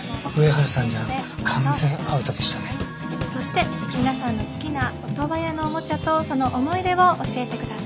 そして皆さんの好きなオトワヤのおもちゃとその思い出を教えて下さい。